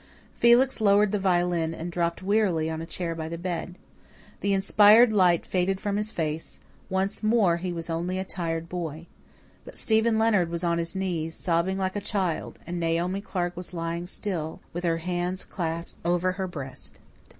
Felix lowered the violin and dropped wearily on a chair by the bed. The inspired light faded from his face; once more he was only a tired boy. But Stephen Leonard was on his knees, sobbing like a child; and Naomi Clark was lying still, with her hands clasped over her breast.